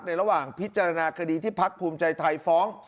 ระหว่างพิจารณาคดีที่พักภูมิใจไทยฟ้อง